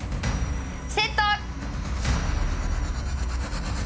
セット！